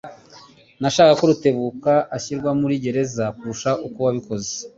Nashakaga ko Rutebuka ashyirwa muri gereza kuruta uko wabikoze.